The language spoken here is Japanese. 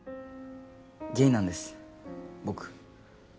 ゲイなんです僕。